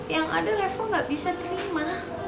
yang ada revo gak bisa terima